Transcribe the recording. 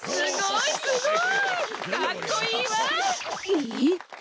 えっ？